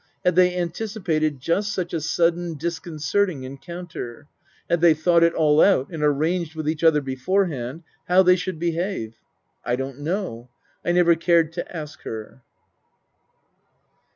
Had they anticipated just such a sudden, disconcerting encounter ? Had they thought it all out and arranged with each other beforehand how they should behave ? I don't know. I never cared to ask her.